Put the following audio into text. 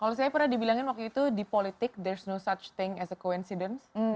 kalau saya pernah dibilangin waktu itu di politik there's no such thing as a coincidence